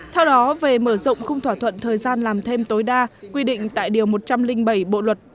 theo đó về mở rộng khung thỏa thuận thời gian làm thêm tối đa quy định tại điều một trăm linh bảy bộ luật